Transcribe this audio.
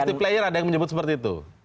bagaimana menyebut seperti itu